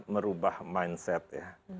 merubah mindset ya